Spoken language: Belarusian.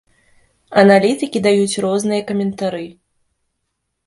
Аналітыкі даюць розныя каментары.